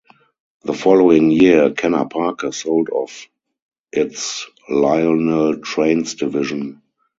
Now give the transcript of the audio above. The following year Kenner Parker sold off its Lionel Trains division.